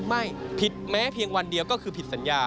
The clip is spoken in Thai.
ไม่ผิดแม้เพียงวันเดียวก็คือผิดสัญญา